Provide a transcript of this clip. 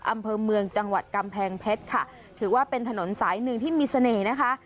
อำเภอเมืองจังหวัดกำแพงเพชรค่ะถือว่าเป็นถนนสายหนึ่งที่มีเสน่ห์นะคะ